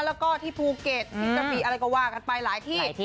แล้วก็ที่ภูเก็ตที่กระบีอะไรก็ว่ากันไปหลายที่